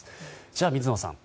じゃあ、水野さん